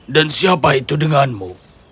dan siapa itu denganmu